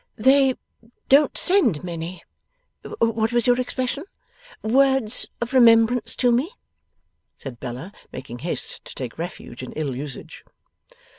'They don't send many what was your expression? words of remembrance to me,' said Bella, making haste to take refuge in ill usage.